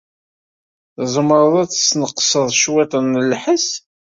Tzemred ad tesneqsed cwiṭ n lḥess?